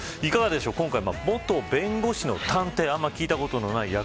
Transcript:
今回、元弁護士の探偵あんまり聞いた事のない役。